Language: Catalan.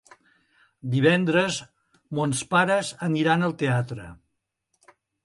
Divendres mons pares aniran al teatre.